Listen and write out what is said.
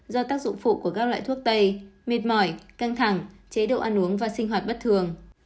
do tác dụng phụ của các loại thuốc tây mệt mỏi căng thẳng chế độ ăn uống và sinh hoạt bất thường